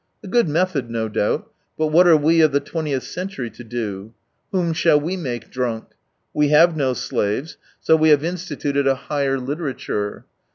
A good method, no doubt, but what are we of the twentieth century to do f Whom shall we make drunk ? We have no slaves, so we have instituted a higher 165 literature.